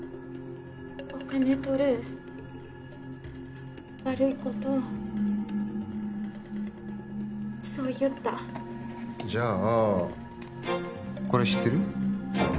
お金とる悪いことそう言ったじゃあこれ知ってる？